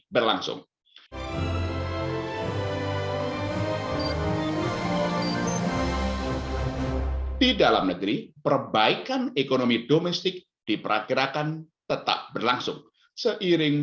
berlangsung di dalam negeri perbaikan ekonomi domestik diperkirakan tetap berlangsung seiring